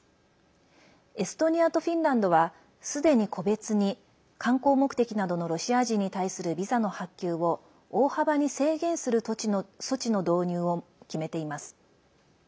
エストニアとフィンランドはすでに個別に観光目的などのロシア人に対するビザの発給を大幅に制限する措置の導入を決めています。